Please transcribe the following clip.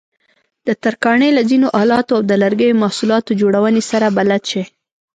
د ترکاڼۍ له ځینو آلاتو او د لرګیو محصولاتو جوړونې سره بلد شئ.